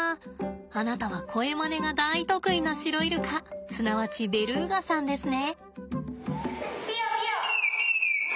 あなたは声まねが大得意なシロイルカすなわちベルーガさんですね。